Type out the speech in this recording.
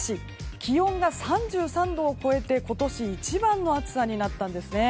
気温が３３度を超えて今年一番の暑さになったんですね。